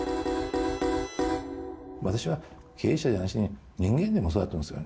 私は経営者じゃなしに人間でもそうだと思うんですよ。